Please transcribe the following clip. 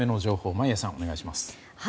眞家さん、お願いします。